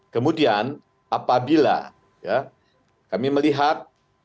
kemudian apabila kami melihat